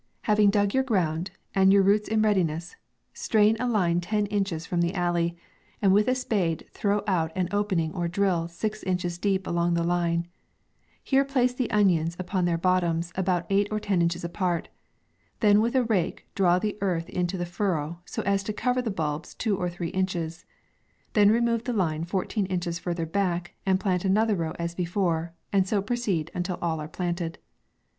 MAi. 73 Having your ground dug, and your roots in readiness, strain a line ten inches from the alley, and with a spade throw out an opening or drill, six inches deep along the line ; here place the onions upon their bottoms, about eight or ten inches apart ; then with a rake draw the earth into the furrow, so as to cover the bulbs two or three inches ; then remove the line fourteen inches further back, and plant another row as before, and so proceed until all are planted.